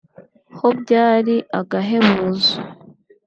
ho byari agahebuzo